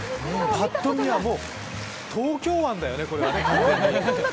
ぱっと見は東京湾だよね、これはね。